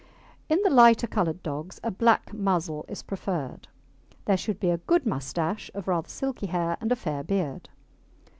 In the lighter coloured dogs a black muzzle is preferred. There should be a good moustache of rather silky hair, and a fair beard.